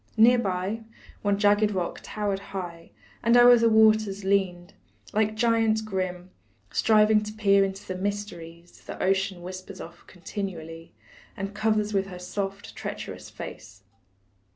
Near by, one jagged rock towered high, And o'er the waters leaned, like giant grim, Striving to peer into the mysteries The ocean whispers of continually, And covers with her soft, treacherous face.